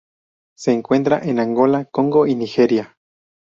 Se encuentra en Angola Congo y Nigeria.